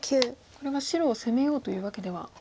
これは白を攻めようというわけでは。